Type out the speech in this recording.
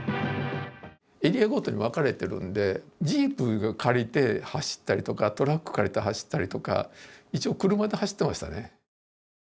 エリアごとに分かれているんでジープ借りて走ったりとかトラック借りて走ったりとか一応車で走ってましたね。